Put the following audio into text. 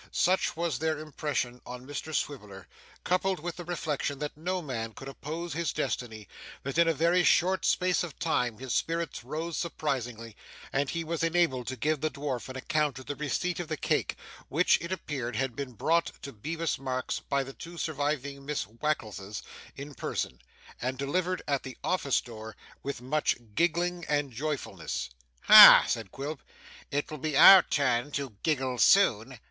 Such was their impression on Mr Swiveller, coupled with the reflection that no man could oppose his destiny, that in a very short space of time his spirits rose surprisingly, and he was enabled to give the dwarf an account of the receipt of the cake, which, it appeared, had been brought to Bevis Marks by the two surviving Miss Wackleses in person, and delivered at the office door with much giggling and joyfulness. 'Ha!' said Quilp. 'It will be our turn to giggle soon.